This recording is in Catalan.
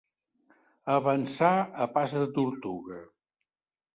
Avançar a pas de tortuga.